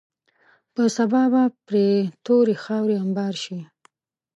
په سبا به پرې تورې خاورې انبار شي.